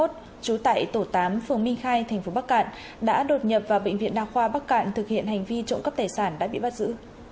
trú tại tổ tám phường minh khai thành phố bắc cạn đã đột nhập vào bệnh viện đa khoa bắc cạn thực hiện hành vi trộm cắp tài sản đã bị bắt giữ